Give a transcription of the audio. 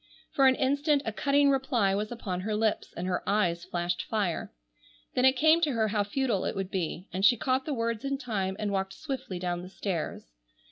For an instant a cutting reply was upon her lips and her eyes flashed fire; then it came to her how futile it would be, and she caught the words in time and walked swiftly down the stairs.